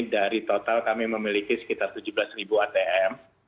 dari total kami memiliki sekitar tujuh belas ribu atm